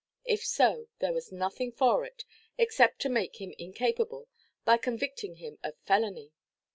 If so, there was nothing for it, except to make him incapable, by convicting him of felony.